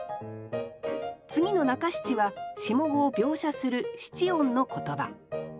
次の中七は下五を描写する七音の言葉。